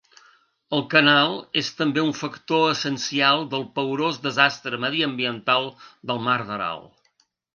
El canal és també un factor essencial del paorós desastre mediambiental del Mar d'Aral.